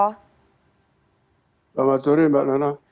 selamat sore mbak nana